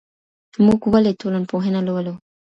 موږ ولي ټولنپوهنه لولو؟